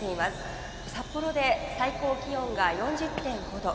札幌で最高気温が４０．５度。